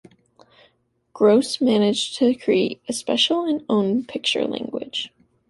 Gross managed to create a special and own picture language.